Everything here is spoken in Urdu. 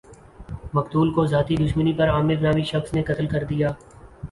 مقتول کو ذاتی دشمنی پر عامر نامی شخص نے قتل کردیا